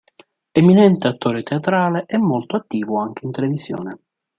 Eminente attore teatrale, è molto attivo anche in televisione.